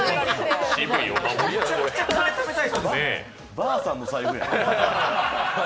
婆さんの財布や。